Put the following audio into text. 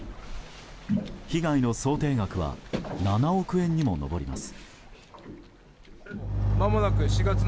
被害の想定額は７億円にも上ります。